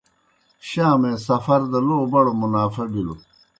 شامے سفر دہ لو بڑو منافع بِلوْ۔